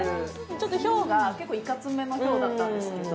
ちょっとヒョウが結構いかつめのヒョウだったんですけど